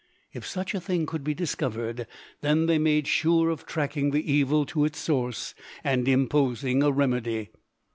If such a thing could be discovered, then they made sure of tracking the evil to its source and imposing a remedy.